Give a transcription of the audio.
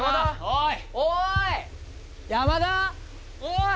おい！